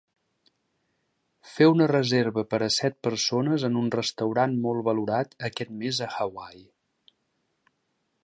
Fer una reserva per a set persones en un restaurant molt valorat aquest mes a Hawaii